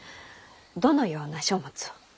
どのような書物を？